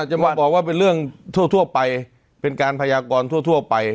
จะมาบอกว่าเป็นเรื่องทั่วไปเป็นการพยากรทั่วไป